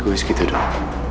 gue segitu dong